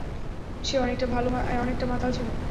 হ্যাঁ, সে অনেকটা মাতাল ছিল।